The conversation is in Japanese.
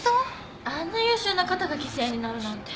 あんな優秀な方が犠牲になるなんて。